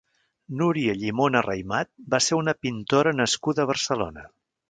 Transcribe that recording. Núria Llimona Raymat va ser una pintora nascuda a Barcelona.